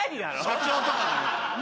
社長とかがよく。